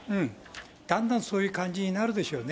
だんだんそういう感じになるでしょうね。